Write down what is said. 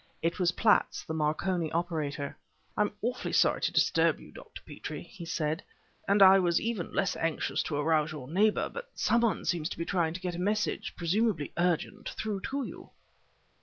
It was Platts, the Marconi operator. "I'm awfully sorry to disturb you, Dr. Petrie," he said, "and I was even less anxious to arouse your neighbor; but somebody seems to be trying to get a message, presumably urgent, through to you."